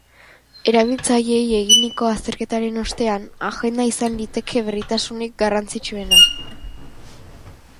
Erabiltzaileei eginiko azterketaren ostean, agenda izan liteke berritasunik garrantzitsuena.